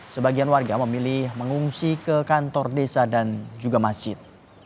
sebagian warga memilih mengungsi ke kantor desa dan juga masjid